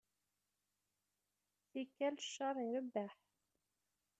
Tikkal, cceṛ irebbeḥ.